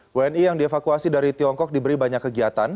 wni yang dievakuasi dari tiongkok diberi banyak kegiatan